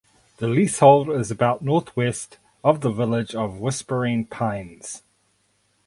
The leasehold is about northwest of the village of Whispering Pines.